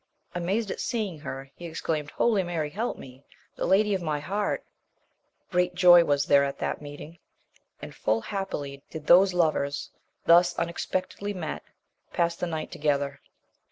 Amazed at seeing her, he ex claimed Holy Mary, help me ! the lady of my heart ! Great joy was there at that meeting, and full happily did those lovers, thus unexpectedly met, pass the night together.